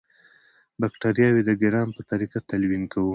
باکټریاوې د ګرام په طریقه تلوین کوو.